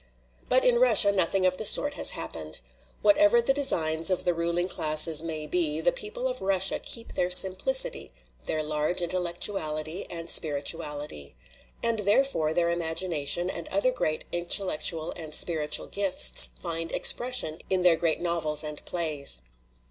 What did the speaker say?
"But in Russia nothing of the sort has hap pened. Whatever the designs of the ruling classes may be, the people of Russia keep their simplicity, their large intellectuality and spirituality. And, therefore, their imagination and other great intel lectual and spiritual gifts find expression in their great novels and plays.